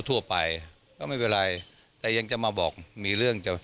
ทั่วไปก็ไม่เป็นไรแต่ยังจะมาบอกมีเรื่องจะ